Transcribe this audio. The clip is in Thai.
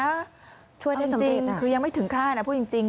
ช่วยได้สำเร็จนะนะเอาจริงคือยังไม่ถึงค่ะนะพูดจริง